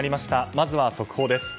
まずは速報です。